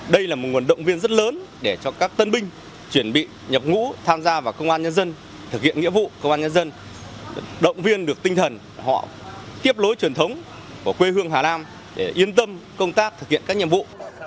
đây là một nguồn động viên rất lớn để cho các tân binh chuẩn bị nhập ngũ tham gia vào công an nhân dân thực hiện nghĩa vụ công an nhân dân động viên được tinh thần họ tiếp lối truyền thống của quê hương hà nam để yên tâm công tác thực hiện các nhiệm vụ